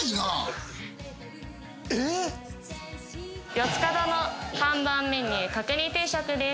四つ角の看板メニュー、角煮定食です。